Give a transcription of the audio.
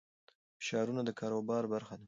فشارونه د کاروبار برخه ده.